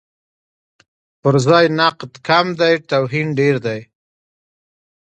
پرځای نقد کم دی، توهین ډېر دی.